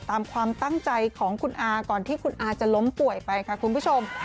ตามความตั้งใจของคุณอาก่อนที่คุณอาจะล้มป่วยไปค่ะคุณผู้ชม